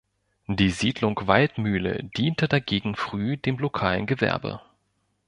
Die Siedlung Waldmühle diente dagegen früh dem lokalen Gewerbe.